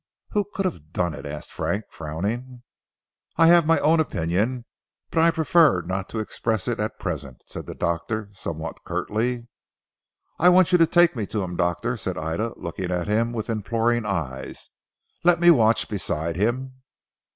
"Who could have done it?" asked Frank frowning. "I have my own opinion, but I prefer not to express it at present," said the doctor somewhat curtly. "I want you to take me to him doctor," said Ida looking at him with imploring eyes. "Let me watch beside him."